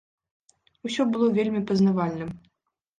Усё было вельмі пазнавальным.